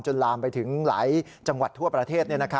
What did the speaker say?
ลามไปถึงหลายจังหวัดทั่วประเทศ